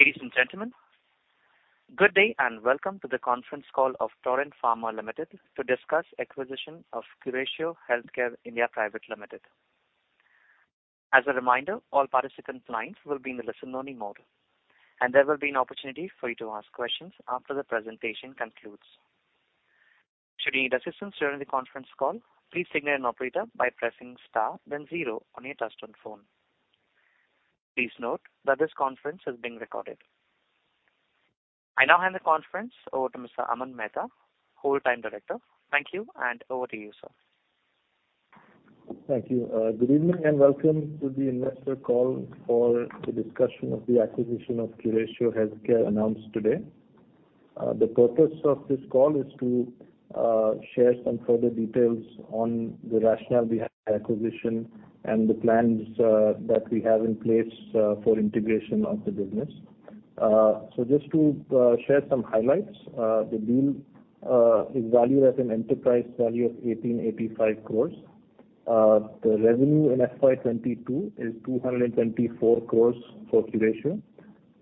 Ladies and gentlemen, good day and welcome to the conference call of Torrent Pharmaceuticals Limited to discuss acquisition of Curatio Healthcare (I) Private Limited. As a reminder, all participant lines will be in the listen only mode, and there will be an opportunity for you to ask questions after the presentation concludes. Should you need assistance during the conference call, please signal an operator by pressing star then zero on your touchtone phone. Please note that this conference is being recorded. I now hand the conference over to Mr. Aman Mehta, Whole-time Director. Thank you, and over to you, sir. Thank you. Good evening and welcome to the investor call for the discussion of the acquisition of Curatio Healthcare announced today. The purpose of this call is to share some further details on the rationale behind the acquisition and the plans that we have in place for integration of the business. Just to share some highlights, the deal is valued at an enterprise value of 1,885 crore. The revenue in FY 2022 is 224 crore for Curatio.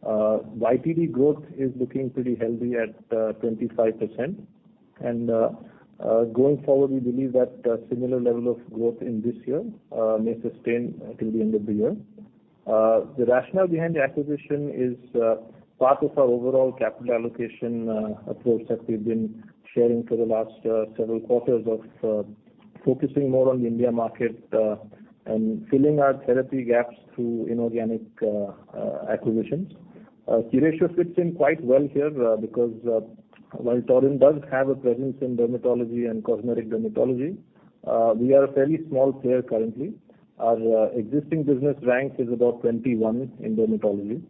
YTD growth is looking pretty healthy at 25%. Going forward, we believe that a similar level of growth in this year may sustain till the end of the year. The rationale behind the acquisition is part of our overall capital allocation approach that we've been sharing for the last several quarters of focusing more on the India market and filling our therapy gaps through inorganic acquisitions. Curatio fits in quite well here because while Torrent does have a presence in dermatology and cosmetic dermatology, we are a fairly small player currently. Our existing business rank is about 21 in dermatology.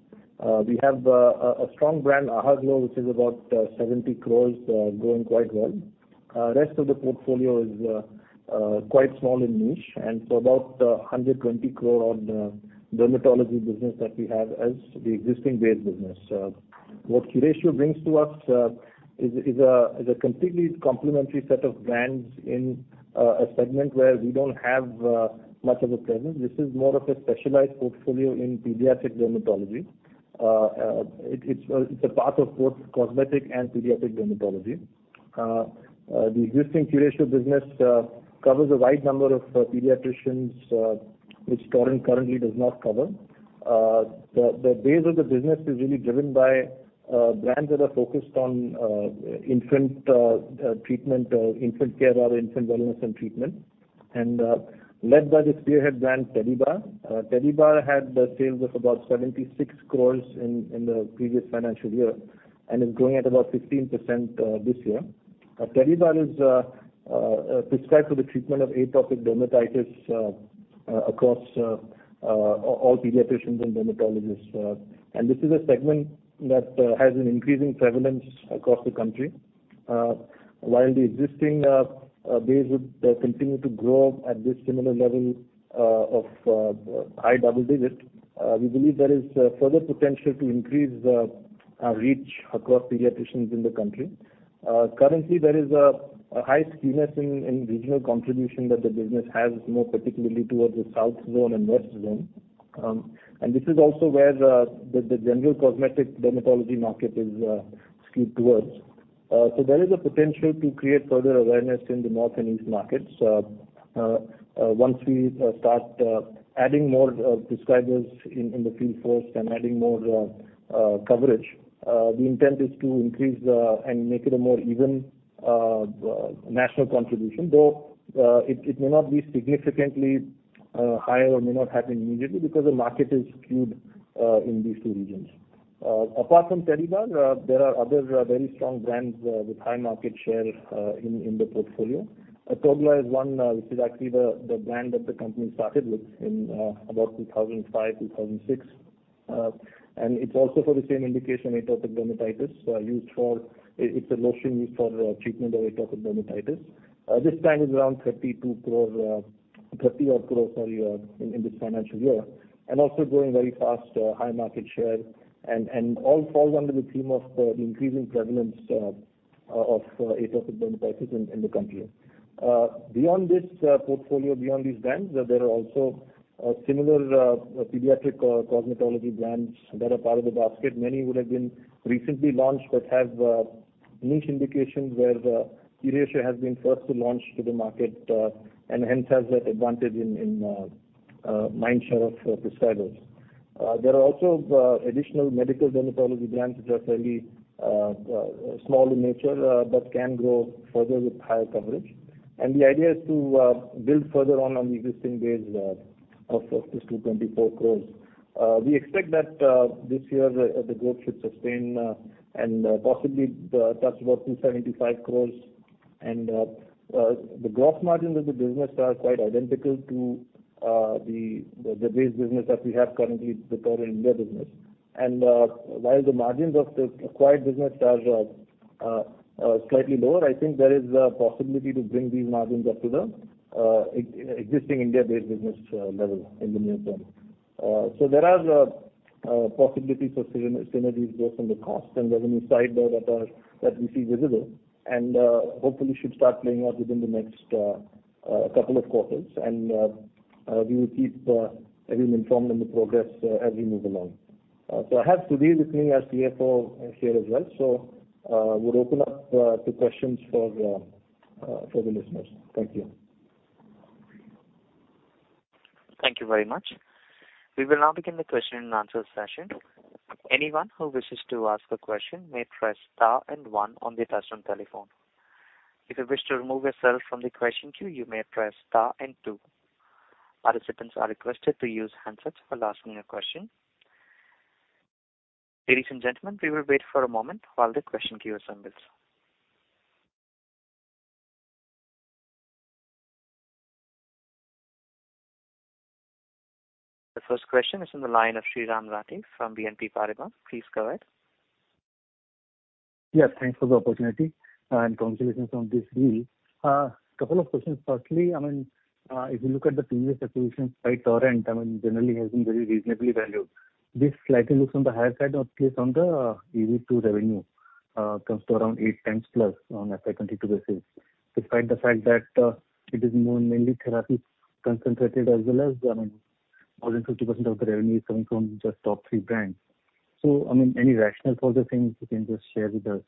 We have a strong brand, Ahaglow, which is about 70 crore, growing quite well. Rest of the portfolio is quite small and niche, and so about 120 crore on the dermatology business that we have as the existing base business. What Curatio brings to us is a completely complementary set of brands in a segment where we don't have much of a presence. This is more of a specialized portfolio in pediatric dermatology. It's a part of both cosmetic and pediatric dermatology. The existing Curatio business covers a wide number of pediatricians, which Torrent currently does not cover. The base of the business is really driven by brands that are focused on infant treatment or infant care or infant wellness and treatment, and led by this spearhead brand, Tedibar. Tedibar had the sales of about 76 crore in the previous financial year and is growing at about 15% this year. Tedibar is prescribed for the treatment of atopic dermatitis across all pediatricians and dermatologists. This is a segment that has an increasing prevalence across the country. While the existing base would continue to grow at this similar level of high double digits, we believe there is further potential to increase the reach across pediatricians in the country. Currently there is a high skewness in regional contribution that the business has, more particularly towards the south zone and west zone. This is also where the general cosmetic dermatology market is skewed towards. There is a potential to create further awareness in the north and east markets. Once we start adding more prescribers in the field force and adding more coverage, the intent is to increase the, and make it a more even national contribution. Though it may not be significantly higher or may not happen immediately because the market is skewed in these two regions. Apart from Tedibar, there are other very strong brands with high market share in the portfolio. Atogla is one, which is actually the brand that the company started with in about 2005, 2006. It's also for the same indication, atopic dermatitis, used for. It's a lotion used for treatment of atopic dermatitis. This brand is around 32 crore, 30-odd crore sorry, in this financial year, and also growing very fast, high market share, and all falls under the theme of the increasing prevalence of atopic dermatitis in the country. Beyond this portfolio, beyond these brands, there are also similar pediatric cosmetology brands that are part of the basket. Many would have been recently launched but have niche indications where Curatio has been first to launch to the market and hence has that advantage in mindshare of prescribers. There are also additional medical dermatology brands which are fairly small in nature but can grow further with higher coverage. The idea is to build further on the existing base of those 224 crore. We expect that this year the growth should sustain and possibly touch about 275 crore. The gross margins of the business are quite identical to the base business that we have currently, the Torrent India business. While the margins of the acquired business are slightly lower, I think there is a possibility to bring these margins up to the existing India-based business level in the near term. There are possibilities for synergies both on the cost and revenue side that we see visible and hopefully should start playing out within the next couple of quarters. We will keep everyone informed on the progress as we move along. I have Sudhir with me as CFO here as well. We'll open up to questions for the listeners. Thank you. Thank you very much. We will now begin the question and answer session. Anyone who wishes to ask a question may press star and one on their touchtone telephone. If you wish to remove yourself from the question queue, you may press star and two. Participants are requested to use handsets while asking a question. Ladies and gentlemen, we will wait for a moment while the question queue assembles. The first question is from the line of Shyam Rathi from BNP Paribas. Please go ahead. Yes, thanks for the opportunity and congratulations on this deal. Couple of questions. Firstly, I mean, if you look at the previous acquisitions by Torrent, I mean generally has been very reasonably valued. This slightly looks on the higher side of case on the EV to revenue, comes to around 8x+ on FY 22 basis, despite the fact that, it is more mainly therapy concentrated as well as, I mean, more than 50% of the revenue is coming from just top 3 brands. I mean, any rationale for the same you can just share with us.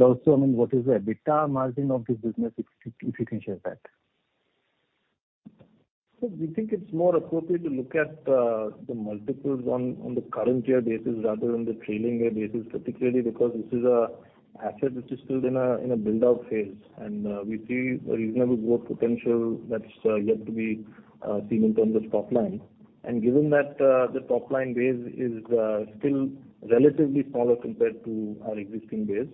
Also, I mean, what is the EBITDA margin of this business, if you can share that. We think it's more appropriate to look at the multiples on the current year basis rather than the trailing year basis, particularly because this is an asset which is still in a build-out phase. We see a reasonable growth potential that's yet to be seen in terms of top line. Given that, the top line base is still relatively smaller compared to our existing base,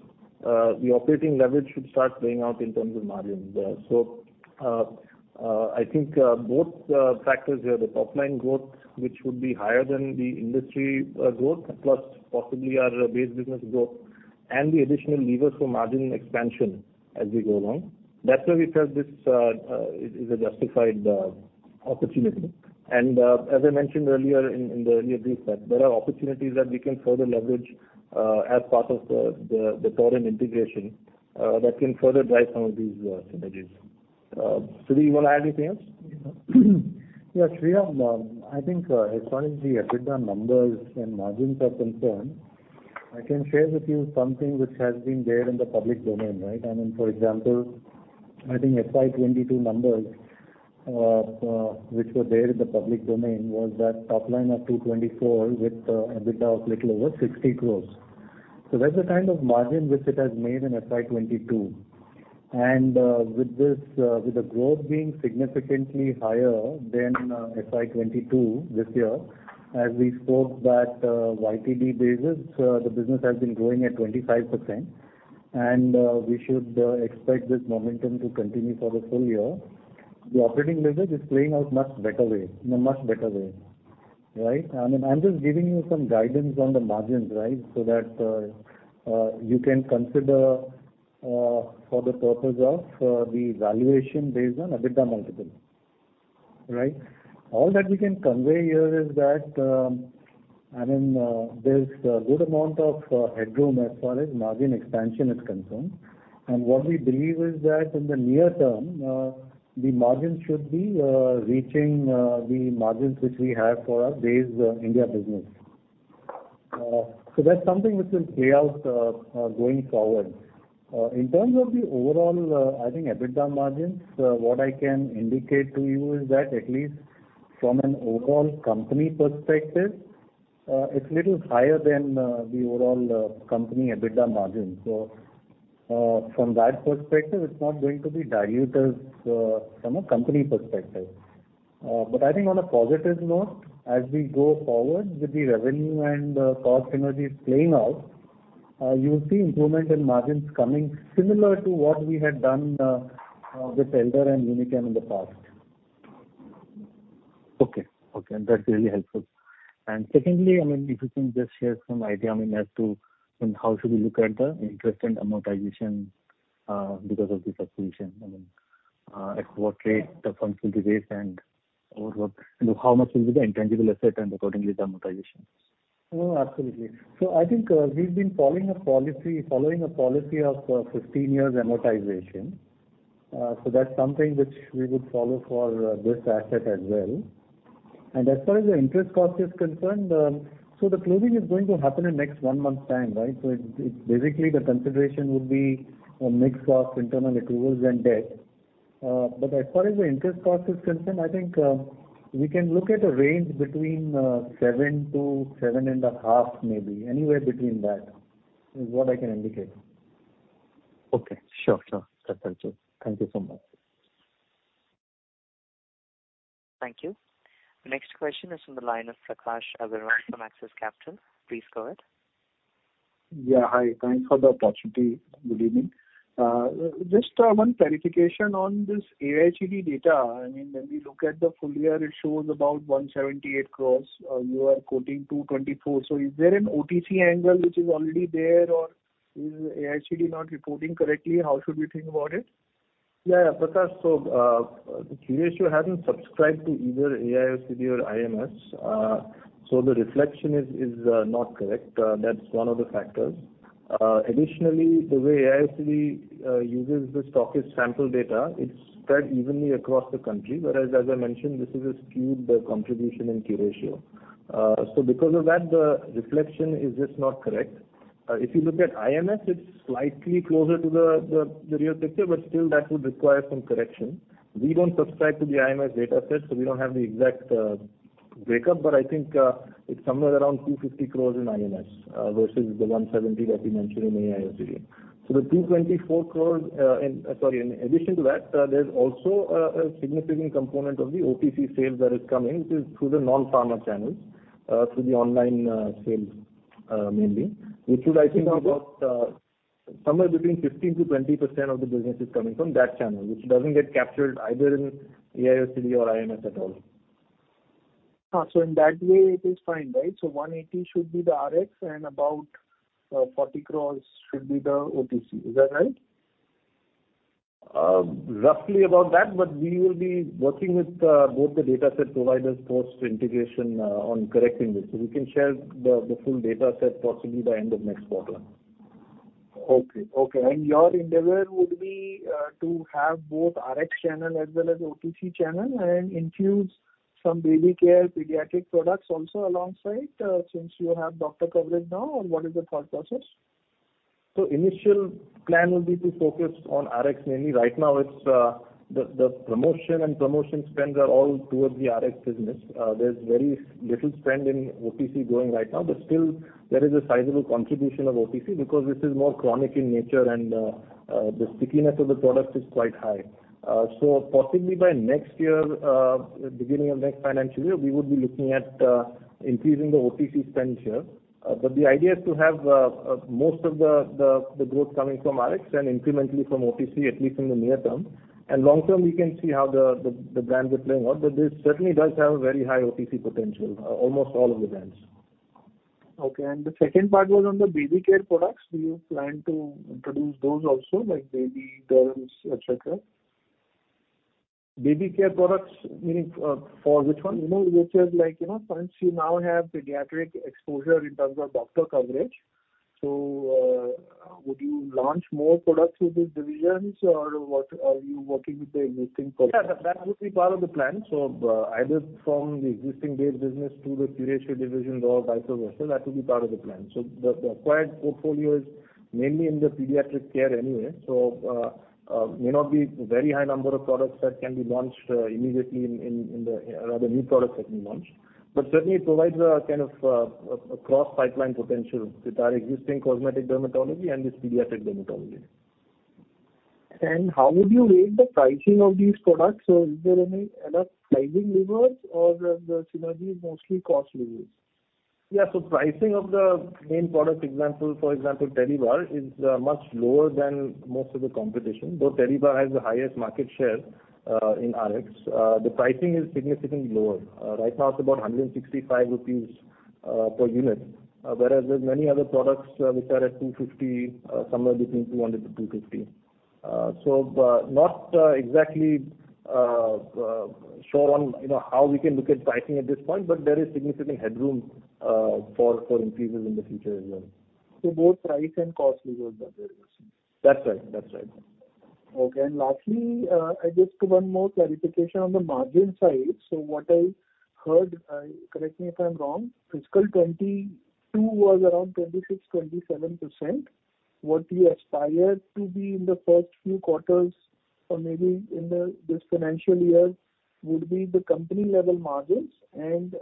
the operating leverage should start playing out in terms of margins there. I think both factors here, the top line growth, which would be higher than the industry growth, plus possibly our base business growth and the additional levers for margin expansion as we go along. That's why we felt this is a justified opportunity. As I mentioned earlier in the earlier brief that there are opportunities that we can further leverage as part of the Torrent integration that can further drive some of these synergies. Sudhir, you wanna add anything else? Yeah, Shyam, I think as far as the EBITDA numbers and margins are concerned, I can share with you something which has been there in the public domain, right? I mean, for example, I think FY 2022 numbers which were there in the public domain was that top line of 224 crore with EBITDA of little over 60 crore. That's the kind of margin which it has made in FY 2022. With the growth being significantly higher than FY 2022 this year, as we spoke that, YTD basis, the business has been growing at 25%, and we should expect this momentum to continue for the full year. The operating leverage is playing out in a much better way, right? I mean, I'm just giving you some guidance on the margins, right? That you can consider for the purpose of the valuation based on EBITDA multiple, right? All that we can convey here is that, I mean, there's a good amount of headroom as far as margin expansion is concerned. What we believe is that in the near term, the margin should be reaching the margins which we have for our base India business. That's something which will play out going forward. In terms of the overall, I think EBITDA margins, what I can indicate to you is that at least from an overall company perspective, it's little higher than the overall company EBITDA margin. From that perspective, it's not going to be dilutive from a company perspective. I think on a positive note, as we go forward with the revenue and cost synergies playing out, you'll see improvement in margins coming similar to what we had done with Elder and Unichem in the past. Okay. Okay, that's really helpful. Secondly, I mean, if you can just share some idea, I mean, as to how should we look at the interest and amortization, because of this acquisition. I mean, at what rate the funds will be raised and overall, you know, how much will be the intangible asset and accordingly the amortization? No, absolutely. I think we've been following a policy of 15 years amortization. That's something which we would follow for this asset as well. As far as the interest cost is concerned, the closing is going to happen in next one month time, right? It's basically the consideration would be a mix of internal accruals and debt. As far as the interest cost is concerned, I think we can look at a range between 7%-7.5%, maybe. Anywhere between that is what I can indicate. Okay. Sure, sure. That's helpful. Thank you so much. Thank you. The next question is from the line of Prakash Agarwal from Axis Capital. Please go ahead. Yeah. Hi. Thanks for the opportunity. Good evening. Just one clarification on this AIOCD data. I mean, when we look at the full year, it shows about 178 crore. You are quoting 224. Is there an OTC angle which is already there or is AIOCD not reporting correctly? How should we think about it? Yeah, Prakash. The Curatio hasn't subscribed to either AIOCD or IMS. The reflection is not correct. That's one of the factors. Additionally, the way AIOCD uses the stock is sample data. It's spread evenly across the country. Whereas as I mentioned, this is a skewed contribution in Curatio. Because of that, the reflection is just not correct. If you look at IMS, it's slightly closer to the reality, but still that would require some correction. We don't subscribe to the IMS data set, so we don't have the exact breakup. I think it's somewhere around 250 crores in IMS versus the 170 that we mentioned in AIOCD. The 224 crore. Sorry, in addition to that, there's also a significant component of the OTC sales that is coming. This is through the non-pharma channels through the online sales mainly, which would, I think, have about somewhere between 15%-20% of the business is coming from that channel, which doesn't get captured either in AIOCD or IMS at all. In that way it is fine, right? 180 should be the RX and about 40 crores should be the OTC. Is that right? Roughly about that, but we will be working with both the data set providers post-integration on correcting this. We can share the full data set possibly by end of next quarter. Okay. Your endeavor would be to have both RX channel as well as OTC channel and infuse some baby care pediatric products also alongside, since you have doctor coverage now? Or what is the thought process? Initial plan will be to focus on RX mainly. Right now, the promotion spends are all towards the RX business. There's very little spend on OTC going right now, but still there is a sizable contribution of OTC because this is more chronic in nature and the stickiness of the product is quite high. Possibly by next year, beginning of next financial year, we would be looking at increasing the OTC spend share. The idea is to have most of the growth coming from RX and incrementally from OTC, at least in the near term. Long term, we can see how the brands are playing out. This certainly does have a very high OTC potential, almost all of the brands. Okay. The second part was on the baby care products. Do you plan to introduce those also, like baby derms, et cetera? Baby care products mean, for which one? Since you now have pediatric exposure in terms of doctor coverage. Would you launch more products with these divisions or what are you working with the existing products? Yeah, that would be part of the plan. Either from the existing base business to the Curatio division or vice versa, that will be part of the plan. The acquired portfolio is mainly in the pediatric care anyway, so may not be very high number of products that can be launched immediately in the new products that we launch. Certainly it provides a kind of cross-pipeline potential with our existing cosmetic dermatology and this pediatric dermatology. How would you rate the pricing of these products? Is there any enough pricing levers or the synergy is mostly cost levers? Pricing of the main product, for example, Tedibar, is much lower than most of the competition. Though Tedibar has the highest market share in RX, the pricing is significantly lower. Right now it's about 165 rupees per unit. Whereas there's many other products which are at 250, somewhere between 200-250. Not exactly sure on, you know, how we can look at pricing at this point, but there is significant headroom for increases in the future as well. Both price and cost levers are there, yes. That's right. That's right. Okay. Lastly, I guess one more clarification on the margin side. What I heard, correct me if I'm wrong, fiscal 2022 was around 26%-27%. What you aspire to be in the first few quarters or maybe in the, this financial year would be the company level margins and,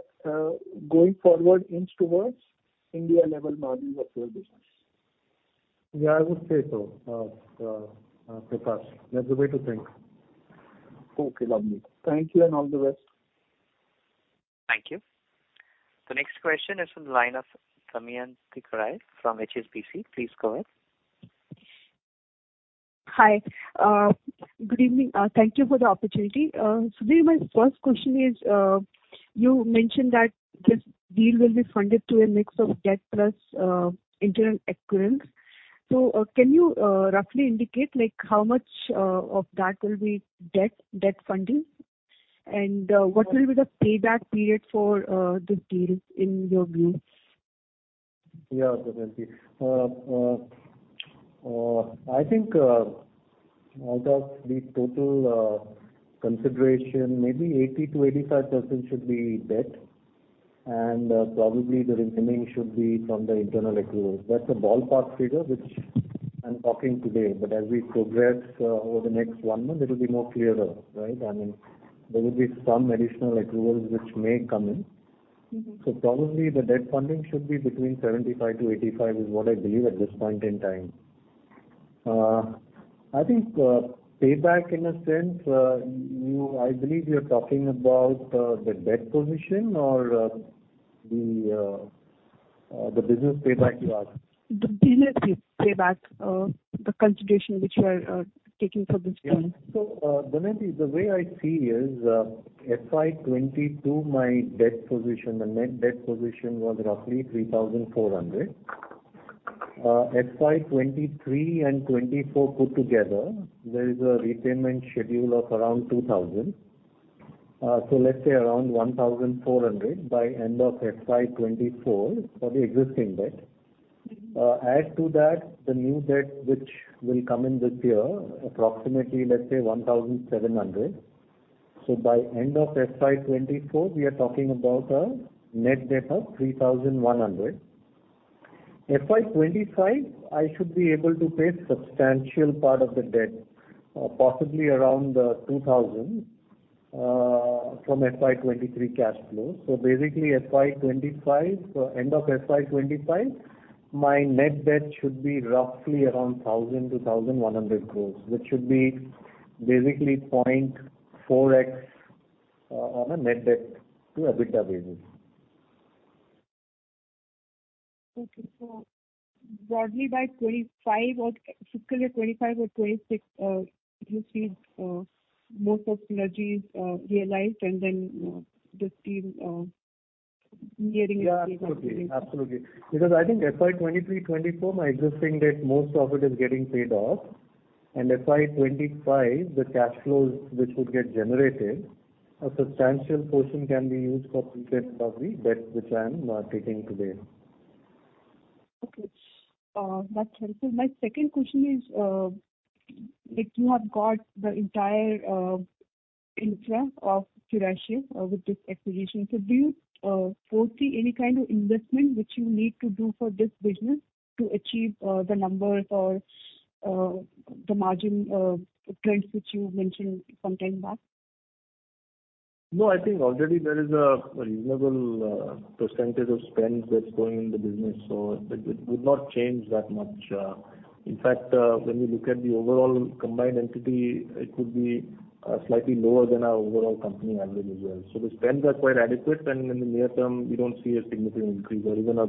going forward inch towards India level margins of your business. Yeah, I would say so, Prakash. That's the way to think. Okay, lovely. Thank you and all the best. Thank you. The next question is from the line of Saion Mukherjee from HSBC. Please go ahead. Hi. Good evening. Thank you for the opportunity. Sudhir, my first question is, you mentioned that this deal will be funded through a mix of debt plus internal accruals. So, can you roughly indicate like how much of that will be debt funding? What will be the payback period for this deal in your view? Saion Mukherjee. I think out of the total consideration, maybe 80%-85% should be debt, and probably the remaining should be from the internal accruals. That's a ballpark figure which I'm talking today. As we progress over the next one month, it'll be more clearer, right? I mean, there will be some additional accruals which may come in. Mm-hmm. Probably the debt funding should be between 75-85, is what I believe at this point in time. I think payback in a sense, I believe you're talking about the debt position or the business payback you ask? The business payback. The consideration which you are taking for this deal. Yeah. Saion, the way I see is, FY 2022, my debt position, the net debt position was roughly 3,400. FY 2023 and 2024 put together, there is a repayment schedule of around 2,000, so let's say around 1,400 by end of FY 2024 for the existing debt. Add to that the new debt which will come in this year, approximately, let's say 1,700. By end of FY 2024, we are talking about a net debt of 3,100. FY 2025, I should be able to pay substantial part of the debt, possibly around 2,000 from FY 2023 cash flows. Basically FY25, end of FY25, my net debt should be roughly around 1,000 crore-1,100 crore, which should be basically 0.4x on a net debt to EBITDA basis. Broadly by 2025 or fiscal year 2025 or 2026, you see, most of synergies realized, and then this team nearing. Yeah, absolutely. Because I think FY 2023, 2024, my existing debt, most of it is getting paid off. FY 2025, the cash flows which would get generated, a substantial portion can be used for prepay of the debt which I am taking today. Okay. That's helpful. My second question is, like you have got the entire, infra of Curatio, with this acquisition. Do you foresee any kind of investment which you need to do for this business to achieve, the numbers or, the margin, trends which you mentioned some time back? No, I think already there is a reasonable percentage of spend that's going in the business, so it would not change that much. In fact, when you look at the overall combined entity, it could be slightly lower than our overall company average as well. The spends are quite adequate, and in the near term, we don't see a significant increase or even a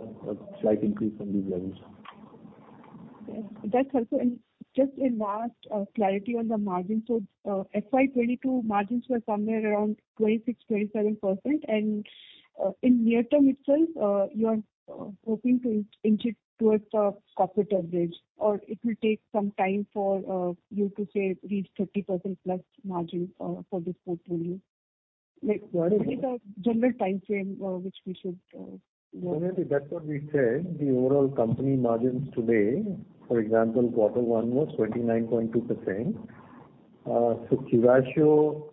slight increase from these levels. Okay. That's helpful. Just a last clarity on the margins. FY 2022 margins were somewhere around 26%-27%. In near term itself, you are hoping to inch it towards the corporate average, or it will take some time for you to say reach 30%+ margin for this portfolio? Like what is the general timeframe which we should No, the overall company margins today, for example, quarter one was 29.2%. Curatio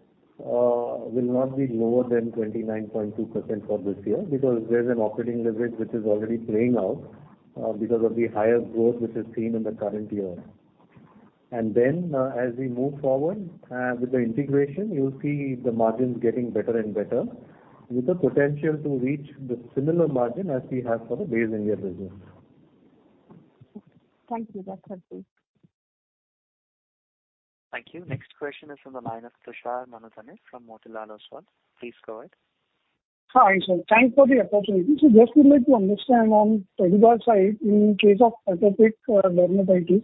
will not be lower than 29.2% for this year because there's an operating leverage which is already playing out because of the higher growth which is seen in the current year. As we move forward with the integration, you'll see the margins getting better and better with the potential to reach the similar margin as we have for the Beiersdorf business. Okay. Thank you. That's helpful. Thank you. Next question is from the line of Tushar Manudhane from Motilal Oswal. Please go ahead. Hi, sir. Thanks for the opportunity. Just would like to understand on Tedibar side, in case of atopic dermatitis,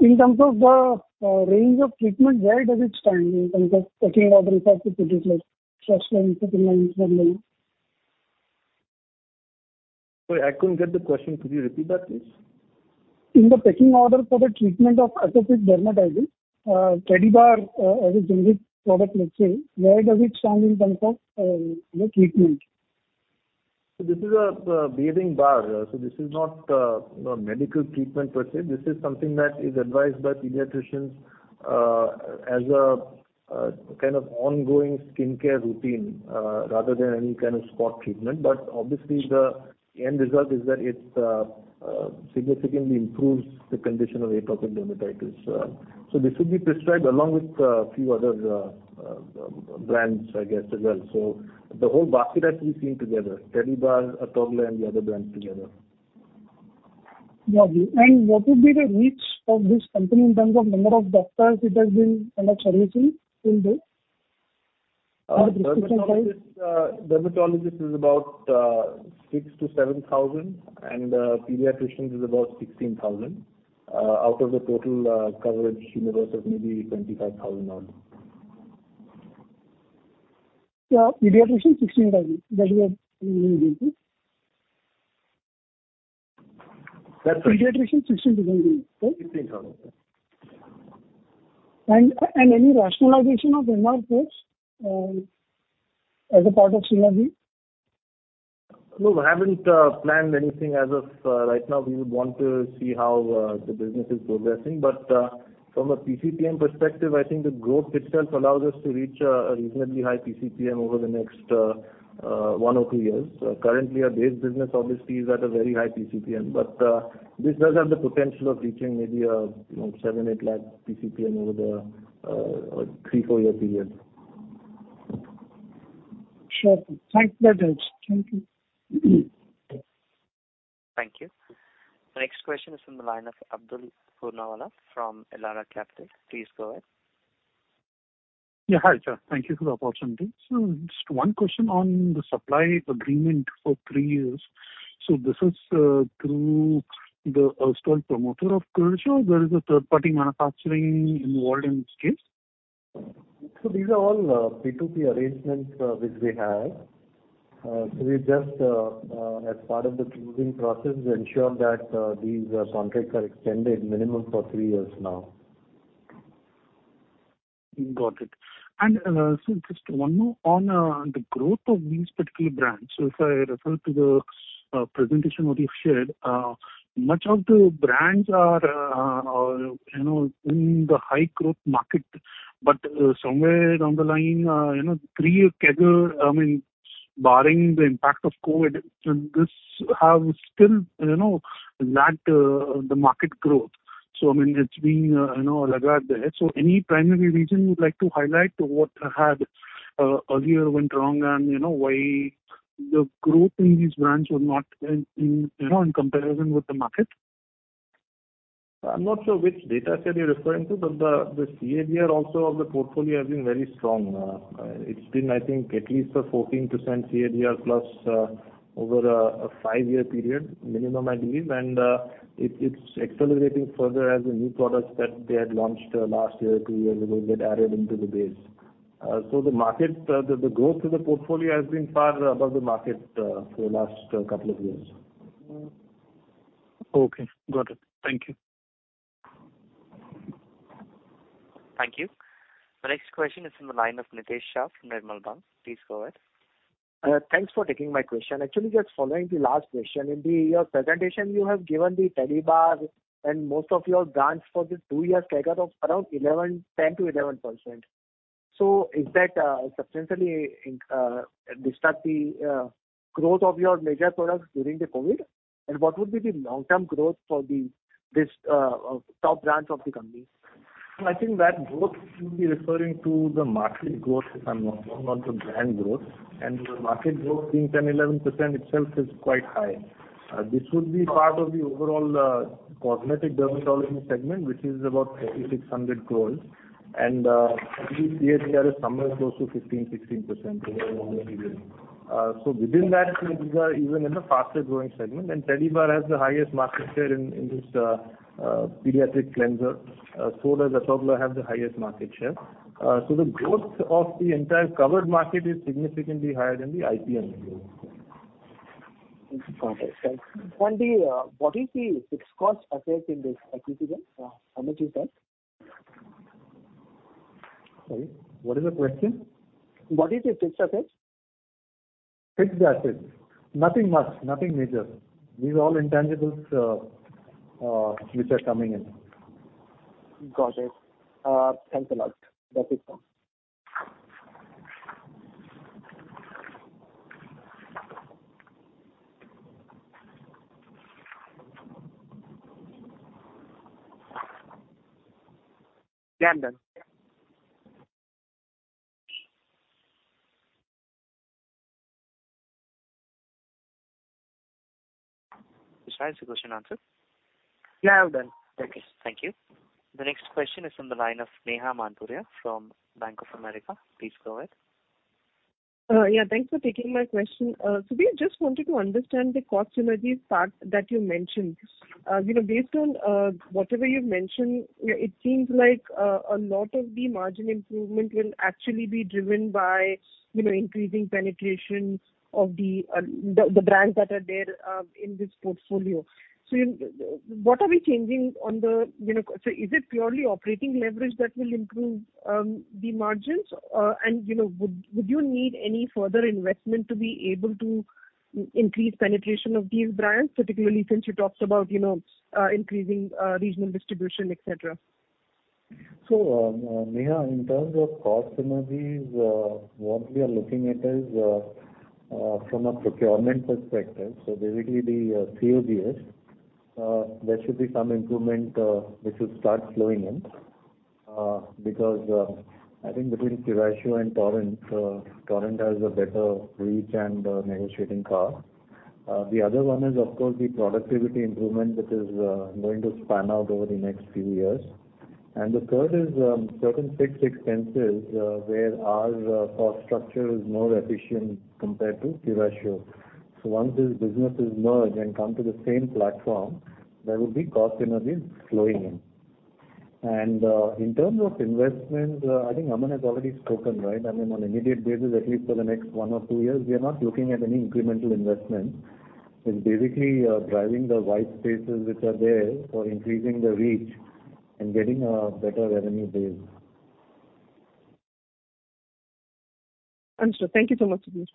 in terms of the range of treatment, where does it stand in terms of pecking order if I have to put it like Sudocrem, Eucerin, etcetera? Sorry, I couldn't get the question. Could you repeat that, please? In the pecking order for the treatment of atopic dermatitis, Tedibar, as a generic product, let's say, where does it stand in terms of, you know, treatment? This is a bathing bar. This is not, you know, medical treatment per se. This is something that is advised by pediatricians as a kind of ongoing skincare routine rather than any kind of spot treatment. Obviously the end result is that it significantly improves the condition of atopic dermatitis. This would be prescribed along with a few other brands, I guess, as well. The whole basket has to be seen together, Tedibar, Atogla and the other brands together. Got you. What would be the reach of this company in terms of number of doctors it has been kind of servicing till date? Or prescription wise. Dermatologists is about 6,000-7,000, and pediatricians is about 16,000 out of the total coverage universe of maybe 25,000 odd. Yeah, pediatricians 16,000. That's what you mean, is it? That's right. Pediatricians 16,000 only, right? 16,000, yes. Any rationalization of MRPs as a part of synergy? No, we haven't planned anything as of right now. We would want to see how the business is progressing. From a PCPM perspective, I think the growth itself allows us to reach a reasonably high PCPM over the next one or two years. Currently our base business obviously is at a very high PCPM, but this does have the potential of reaching maybe, you know, 7-8 lakh PCPM over the 3-4-year period. Sure. Thanks for that, sir. Thank you. Thank you. The next question is from the line of Abdulkader Puranwala from Elara Capital. Please go ahead. Yeah, hi, sir. Thank you for the opportunity. Just one question on the supply agreement for three years. This is through the erstwhile promoter of Curatio, or there is a third-party manufacturing involved in this case? These are all B2B arrangements which we have, so we just as part of the approving process ensure that these contracts are extended minimum for three years now. Got it. Just one more on the growth of these particular brands. If I refer to the presentation what you've shared, much of the brands are, you know, in the high growth market. Somewhere down the line, you know, three-year CAGR, I mean, barring the impact of COVID, so this have still, you know, lagged the market growth. I mean, it's been, you know, a lag there. Any primary reason you'd like to highlight what had earlier went wrong and, you know, why the growth in these brands were not in you know, in comparison with the market? I'm not sure which data set you're referring to, but the CAGR also of the portfolio has been very strong. It's been, I think, at least a 14% CAGR plus, over a five-year period minimum, I believe. It's accelerating further as the new products that they had launched, last year, two years ago get added into the base. The growth of the portfolio has been far above the market, for the last couple of years. Okay. Got it. Thank you. Thank you. The next question is from the line of Nitin Agarwal from Edelweiss. Please go ahead. Thanks for taking my question. Actually, just following the last question. In your presentation you have given the Tedibar and most of your brands for the two years CAGR of around 10%-11%. Is that substantially disrupt the growth of your major products during the COVID? What would be the long-term growth for the top brands of the company? I think that growth you'll be referring to the market growth, if I'm not wrong, not the brand growth. The market growth being 10%-11% itself is quite high. This would be part of the overall cosmetic dermatology segment, which is about 3,600 crores. I believe CAGR is somewhere close to 15%-16% over a longer period. Within that these are even in a faster growing segment. Tedibar has the highest market share in this pediatric cleanser. Does Cetaphil have the highest market share. The growth of the entire covered market is significantly higher than the IPM growth. Got it. Thanks. What is the fixed assets in this acquisition? How much is that? Sorry, what is the question? What is the fixed assets? Fixed assets. Nothing much, nothing major. These are all intangibles, which are coming in. Got it. Thanks a lot. That's it. Yeah, I'm done. Nitin, is the question answered? Yeah, I'm done. Thank you. Thank you. The next question is from the line of Neha Manpuria from Bank of America. Please go ahead. Yeah, thanks for taking my question. We just wanted to understand the cost synergies part that you mentioned. Based on whatever you've mentioned, it seems like a lot of the margin improvement will actually be driven by you know, increasing penetration of the brands that are there in this portfolio. What are we changing on the, you know? Is it purely operating leverage that will improve the margins? You know, would you need any further investment to be able to increase penetration of these brands, particularly since you talked about you know, increasing regional distribution, et cetera? Neha, in terms of cost synergies, what we are looking at is, from a procurement perspective, so basically the COGS, there should be some improvement, which will start flowing in, because I think between Piramal and Torrent has a better reach and negotiating power. The other one is of course the productivity improvement, which is going to pan out over the next few years. The third is certain fixed expenses, where our cost structure is more efficient compared to Piramal. Once these businesses merge and come to the same platform, there will be cost synergies flowing in. In terms of investment, I think Aman has already spoken, right. I mean, on immediate basis, at least for the next one or two years, we are not looking at any incremental investment. It's basically driving the white spaces which are there for increasing the reach and getting a better revenue base. Understood. Thank you so much, Sudhir.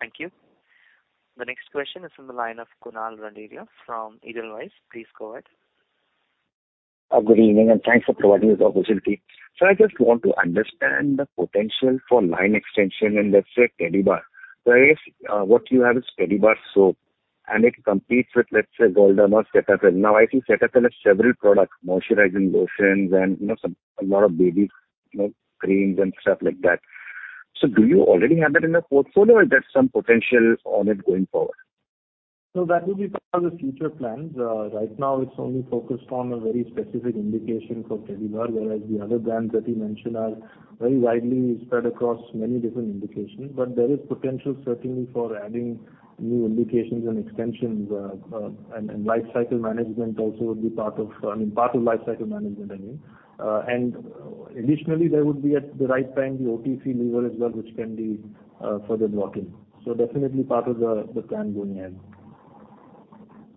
Yeah. Thank you. The next question is from the line of Kunal Randeria from Edelweiss. Please go ahead. Good evening, and thanks for providing this opportunity. I just want to understand the potential for line extension in, let's say, Tedibar. If what you have is Tedibar soap, and it competes with, let's say, Dettol or Cetaphil. Now, I see Cetaphil has several products, moisturizing lotions and, you know, some, a lot of babies, you know, creams and stuff like that. Do you already have that in the portfolio or is there some potential on it going forward? That will be part of the future plans. Right now it's only focused on a very specific indication for Tedibar, whereas the other brands that you mentioned are very widely spread across many different indications. There is potential certainly for adding new indications and extensions, and lifecycle management also would be part of lifecycle management. Additionally, there would be at the right time the OTC lever as well, which can be further brought in. Definitely part of the plan going ahead.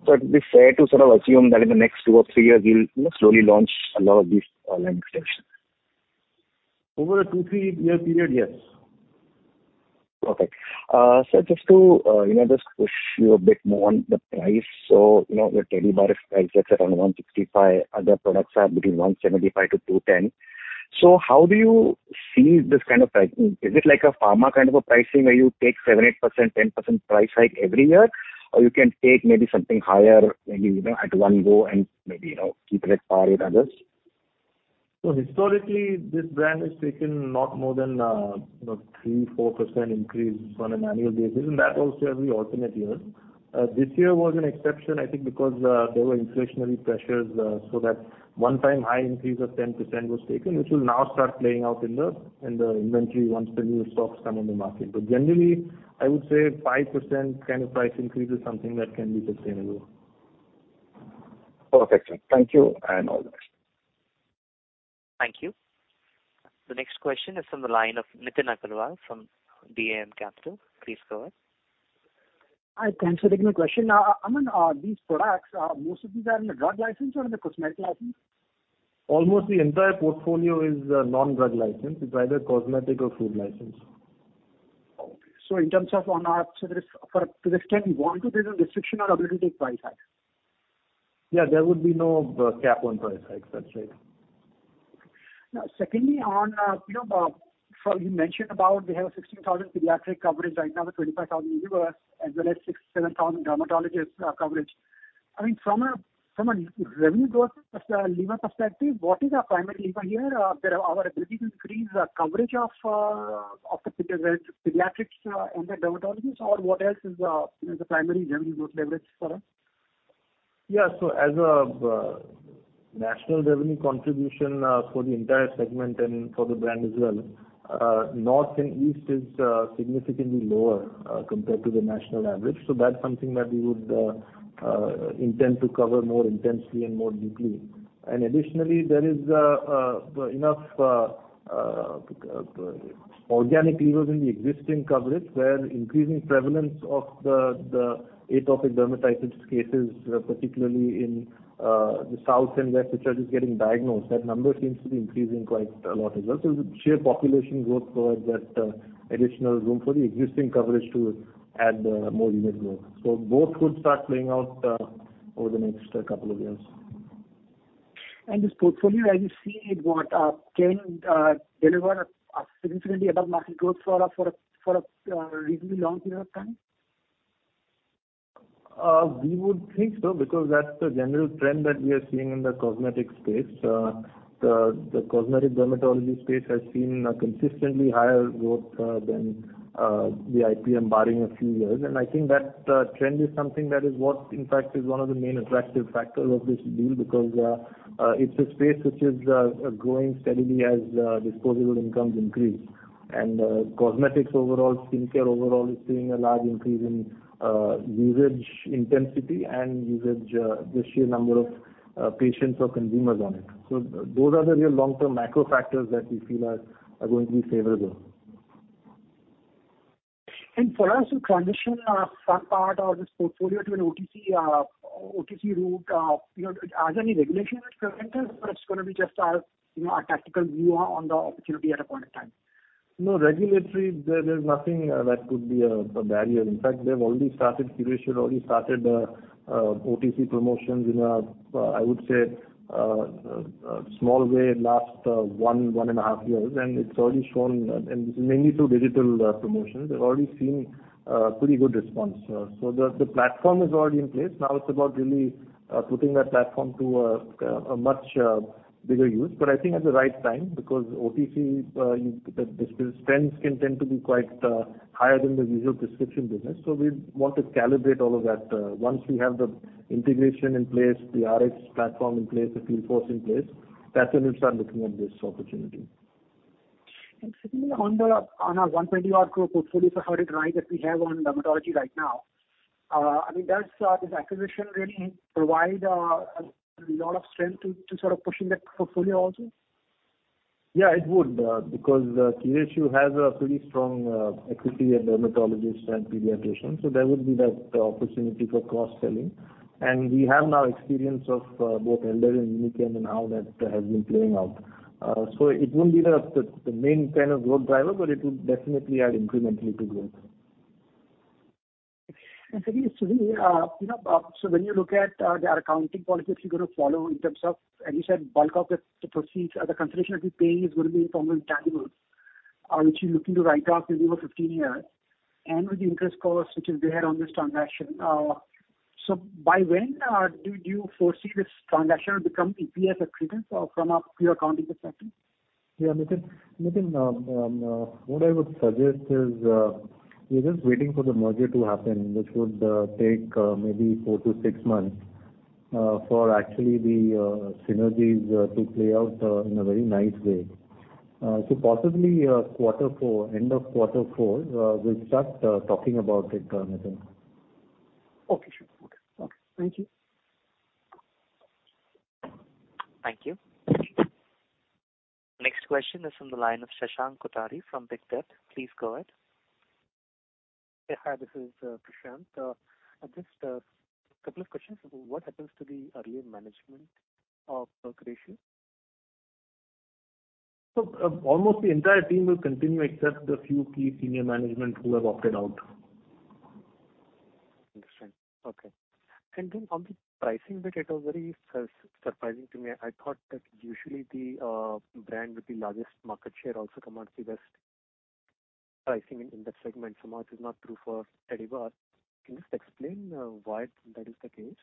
It'd be fair to sort of assume that in the next two or three years you'll, you know, slowly launch a lot of these line extensions. Over a 2-3-year period, yes. Okay. Just to, you know, just push you a bit more on the price. The Tedibar price is around 165, other products are between 175-210. How do you see this kind of pricing, is it like a pharma kind of a pricing, where you take 7%, 8%, 10% price hike every year? Or you can take maybe something higher, maybe, you know, at one go and maybe, you know, keep it at par with others. Historically, this brand has taken not more than 3%-4% increase on an annual basis, and that also every alternate year. This year was an exception, I think because there were inflationary pressures, so that one-time high increase of 10% was taken, which will now start playing out in the inventory once the new stocks come in the market. Generally, I would say 5% kind of price increase is something that can be sustainable. Perfect, sir. Thank you, and all the best. Thank you. The next question is from the line of Nitin Agarwal from DAM Capital. Please go ahead. Hi. Thanks for taking the question. These products, most of these are in the drug license or in the cosmetic license? Almost the entire portfolio is non-drug license. It's either cosmetic or food license. There is, for the next one or two, a restriction on the ability to price hike. Yeah, there would be no cap on price hikes. That's right. Now, secondly on, you know, so you mentioned about they have a 16,000 pediatric coverage right now with 25,000 universe, as well as 6-7,000 dermatologist coverage. I mean, from a revenue growth lever perspective, what is our primary lever here? Is our ability to increase coverage of pediatrics and the dermatologists, or what else is, you know, the primary revenue growth leverage for us? Yeah. As a national revenue contribution for the entire segment and for the brand as well, north and east is significantly lower compared to the national average. That's something that we would intend to cover more intensely and more deeply. Additionally, there is enough organic levers in the existing coverage where increasing prevalence of the atopic dermatitis cases particularly in the south and west, which are just getting diagnosed. That number seems to be increasing quite a lot as well. The sheer population growth for that additional room for the existing coverage to add more unit growth. Both would start playing out over the next couple of years. This portfolio, as you see it, what can deliver a significantly above market growth for a reasonably long period of time? We would think so because that's the general trend that we are seeing in the cosmetic space. The cosmetic dermatology space has seen a consistently higher growth than the IPM barring a few years. I think that trend is something that is what in fact is one of the main attractive factor of this deal because it's a space which is growing steadily as disposable incomes increase. Cosmetics overall, skincare overall is seeing a large increase in usage intensity and usage, the sheer number of patients or consumers on it. Those are the real long-term macro factors that we feel are going to be favorable. For us to transition some part of this portfolio to an OTC route, you know, are there any regulations that prevent us, or it's gonna be just our, you know, our tactical view on the opportunity at a point in time? No regulatory. There's nothing that could be a barrier. In fact, they've already started. Curatio already started OTC promotions in a I would say a small way last one and a half years. It's already shown and this is mainly through digital promotions. They've already seen pretty good response. The platform is already in place. Now it's about really putting that platform to a much bigger use. I think at the right time, because OTC spends can tend to be quite higher than the usual prescription business. We want to calibrate all of that once we have the integration in place, the RX platform in place, the field force in place. That's when we'll start looking at this opportunity. Secondly, on our INR 120-odd crore portfolio, if I heard it right, that we have on dermatology right now, I mean, does this acquisition really provide a lot of strength to sort of pushing that portfolio also? Yeah, it would. Because Curatio has a pretty strong equity in dermatologists and pediatricians, so there would be that opportunity for cross-selling. We have now experience of both Elder and Unichem and now that has been playing out. It wouldn't be the main kind of growth driver, but it would definitely add incrementally to growth. Thirdly, Sudhir Menon, you know, so when you look at the accounting policies you're gonna follow in terms of, as you said, bulk of the proceeds, the consideration that we're paying is gonna be in form of intangibles, which you're looking to write off over 15 years, and with the interest costs which is there on this transaction. By when do you foresee this transaction become EPS accretive from a pure accounting perspective? Nitin Agarwal, what I would suggest is, we're just waiting for the merger to happen, which would take maybe 4-6 months for actually the synergies to play out in a very nice way. Possibly, quarter four, end of quarter four, we'll start talking about it, Nitin Agarwal. Okay, sure. Okay. Thank you. Thank you. Next question is from the line of Shashank Kothari from Bird Advisory. Please go ahead. Yeah. Hi, this is Shashank. I just couple of questions. What happens to the earlier management of Curatio? almost the entire team will continue, except the few key senior management who have opted out. Understand. Okay. On the pricing bit, it was very surprising to me. I thought that usually the brand with the largest market share also commands the best pricing in that segment. That's not true for Tedibar. Can you just explain why that is the case?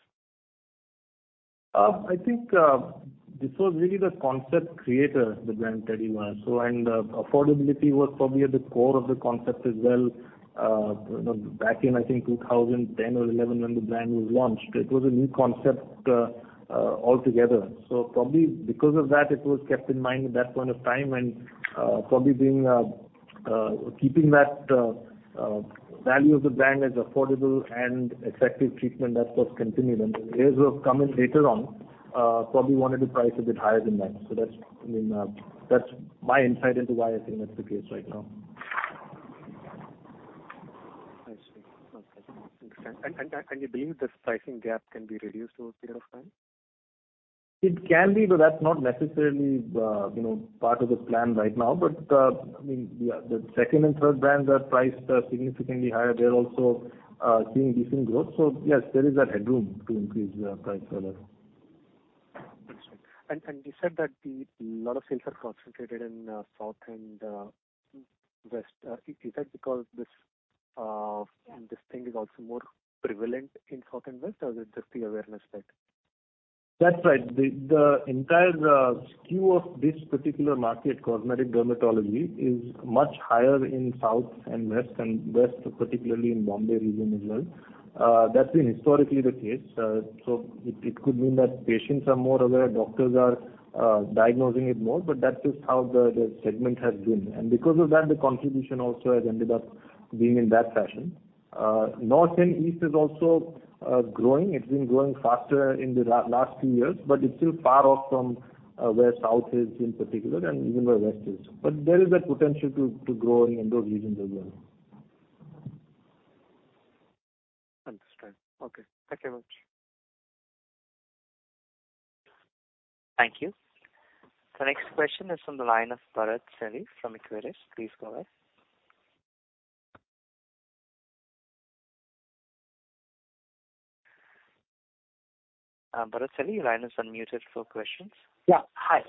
I think this was really the concept creator, the brand Tedibar. Affordability was probably at the core of the concept as well. Back in, I think, 2010 or 2011 when the brand was launched, it was a new concept altogether. Probably because of that, it was kept in mind at that point of time and, probably keeping that value of the brand as affordable and effective treatment that was continued. The players who have come in later on probably wanted to price a bit higher than that. That's, I mean, that's my insight into why I think that's the case right now. I see. Okay. Understand. You believe this pricing gap can be reduced over a period of time? It can be, but that's not necessarily, you know, part of the plan right now. I mean, yeah, the second and third brands are priced significantly higher. They're also seeing decent growth. Yes, there is that headroom to increase the price a little. Understood. You said that a lot of sales are concentrated in south and west. Is that because this thing is also more prevalent in south and west, or is it just the awareness side? That's right. The entire SKU of this particular market, cosmetic dermatology, is much higher in south and west, and west particularly in Bombay region as well. That's been historically the case. It could mean that patients are more aware, doctors are diagnosing it more, but that's just how the segment has been. Because of that, the contribution also has ended up being in that fashion. North and east is also growing. It's been growing faster in the last few years, but it's still far off from where south is in particular and even where west is. There is a potential to grow in those regions as well. Understood. Okay. Thank you much. Thank you. The next question is from the line of Bharat Celly from Equirus. Please go ahead. Bharat Celly, your line is unmuted for questions. Yeah. Hi.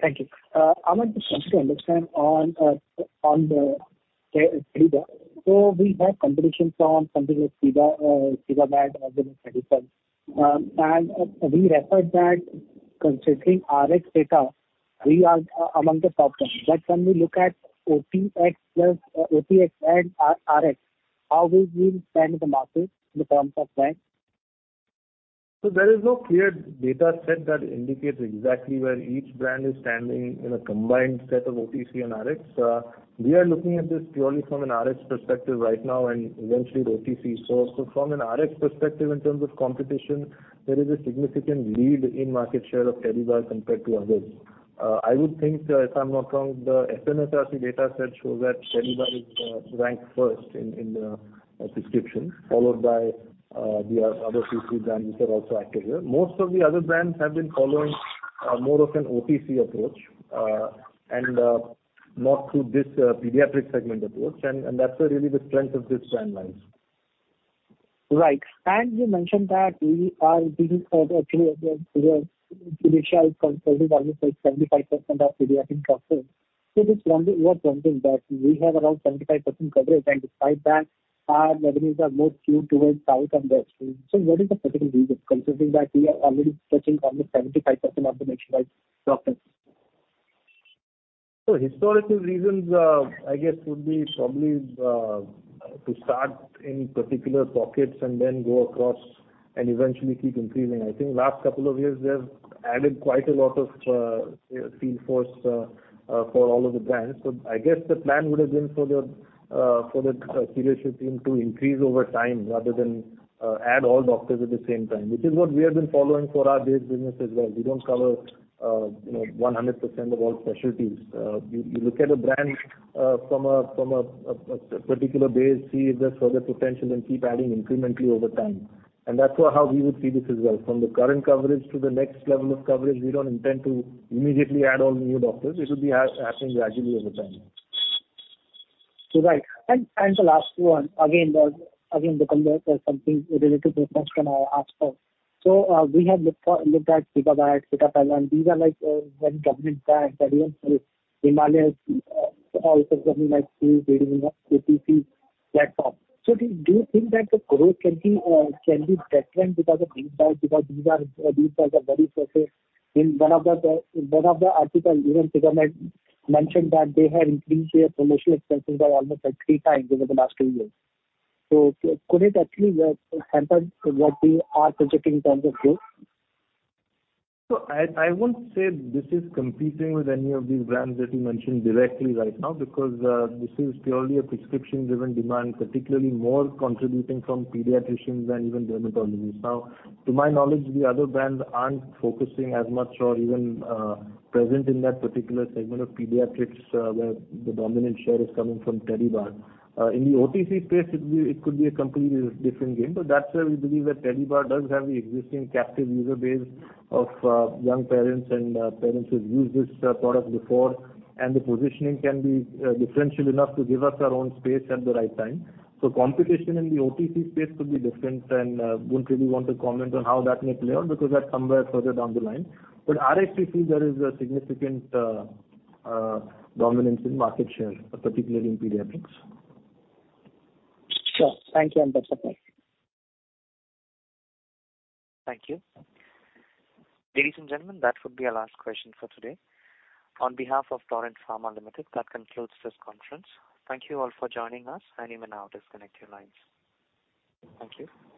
Thank you. I want to just understand on the Tedibar. We have competition from something like Sebamed or Denix. We refer that considering RX data, we are among the top 10. When we look at OTX and RX, how will you stand in the market in terms of brand? There is no clear data set that indicates exactly where each brand is standing in a combined set of OTC and RX. We are looking at this purely from an RX perspective right now and eventually the OTC. From an RX perspective in terms of competition, there is a significant lead in market share of Tedibar compared to others. I would think that if I'm not wrong, the SMSRC data set shows that Tedibar is ranked first in the prescription, followed by the other few three brands which are also active here. Most of the other brands have been following more of an OTC approach and not through this pediatric segment approach. That's where really the strength of this brand lies. Right. You mentioned that we are actually Curatio covers almost 75% of pediatric doctors. Just wondering, you are saying that we have around 75% coverage and despite that our revenues are more skewed towards south and west. What is the particular reason considering that we are already touching almost 75% of the nationwide doctors? Historical reasons, I guess would be probably to start in particular pockets and then go across and eventually keep increasing. I think last couple of years they have added quite a lot of field force for all of the brands. I guess the plan would have been for the Curatio team to increase over time rather than add all doctors at the same time, which is what we have been following for our base business as well. We don't cover, you know, 100% of all specialties. You look at a brand from a particular base, see if there's further potential and keep adding incrementally over time. That's how we would see this as well. From the current coverage to the next level of coverage, we don't intend to immediately add all new doctors. It would be happening gradually over time. Right. The last one, again looking at something related to expense, can I ask for. We have looked at Sebamed, Cetaphil, and these are like well-established brands that even Himalaya is also something like this leading in the OTC platform. Do you think that the growth can be different because of these brands? Because these brands are very focused. In one of the article, even Sebamed mentioned that they have increased their promotional expenses by almost like three times over the last two years. Could it actually hamper what we are projecting in terms of growth? I wouldn't say this is competing with any of these brands that you mentioned directly right now because this is purely a prescription-driven demand, particularly more contributing from pediatricians than even dermatologists. Now, to my knowledge, the other brands aren't focusing as much or even present in that particular segment of pediatrics, where the dominant share is coming from Tedibar. In the OTC space, it could be a completely different game, but that's where we believe that Tedibar does have the existing captive user base of young parents and parents who've used this product before. The positioning can be differential enough to give us our own space at the right time. Competition in the OTC space could be different, and wouldn't really want to comment on how that may play out because that's somewhere further down the line. RX we feel there is a significant dominance in market share, particularly in pediatrics. Sure. Thank you. I'm done, sir. Thank you. Ladies and gentlemen, that would be our last question for today. On behalf of Torrent Pharmaceuticals Limited, that concludes this conference. Thank you all for joining us. You may now disconnect your lines. Thank you.